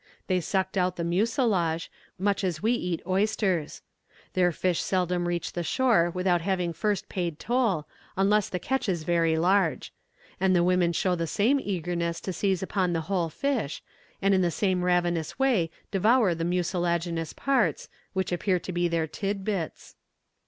They sucked out the mucilage, much as we eat oysters. Their fish seldom reach the shore without having first paid toll, unless the catch is very large; and the women show the same eagerness to seize upon the whole fish, and in the same ravenous way devour the mucilaginous parts, which appear to be their tid bits.